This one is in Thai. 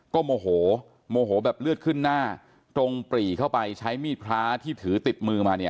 ก็โมโหโมโหแบบเลือดขึ้นหน้าตรงปรีเข้าไปใช้มีดพระที่ถือติดมือมาเนี่ย